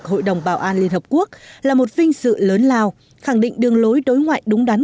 hội đồng bảo an liên hợp quốc là một vinh sự lớn lao khẳng định đường lối đối ngoại đúng đắn